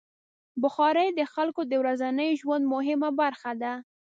بخاري د خلکو د ورځني ژوند مهمه برخه ده.